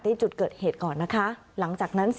ในจุดเกิดเหตุก่อนนะคะ